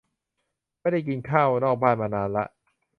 ไม่ได้กินข้าวนอกบ้านมานานละ